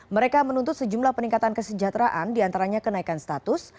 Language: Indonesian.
mereka menuntut sejumlah peningkatan kesejahteraan diantaranya kenaikan status